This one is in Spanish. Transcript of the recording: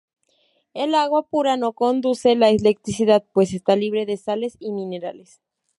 El agua pura no conduce la electricidad, pues está libre de sales y minerales.